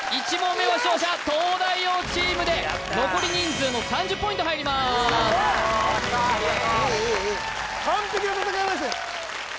目の勝者東大王チームで残り人数の３０ポイント入りますいいいいいい完璧な戦いです